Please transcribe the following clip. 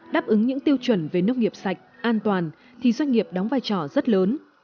đáp ứng những tiêu chuẩn về nông nghiệp sạch an toàn thì doanh nghiệp đóng vai trò rất lớn